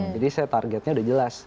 saya targetnya udah jelas